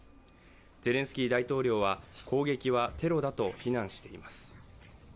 ゼレンスキー大統領は攻撃はテロだと非難しています。